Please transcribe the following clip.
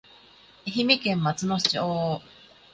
愛媛県松野町